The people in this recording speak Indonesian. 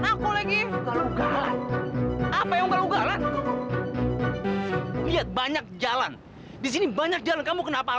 sampai jumpa di video selanjutnya